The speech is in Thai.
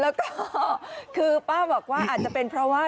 แล้วก็คือป้าบอกว่าอาจจะเป็นเพราะว่า